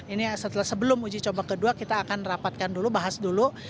ini sebelum uji coba kedua kita akan rapatkan dulu bahas dulu